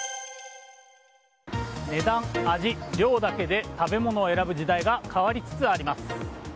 値段、味、量だけで食べ物を選ぶ時代が変わりつつあります。